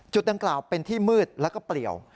จุดดังกล่าวเป็นที่มืดและเปรียว